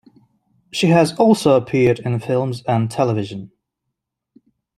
She has also appeared in films and television.